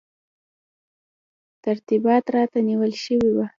ترتیبات راته نیول شوي وو.